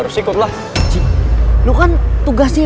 mas yang lain sih orang menanyain lu